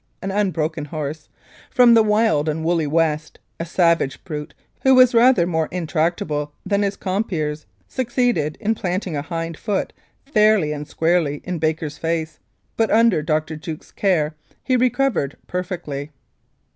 an unbroken horse) from the wild and woolly West a savage brute who was rather more intractable than his compeers succeeded in planting a hind foot fairly and squarely in Baker's face, but under Dr. Jukes's care he recovered perfectly.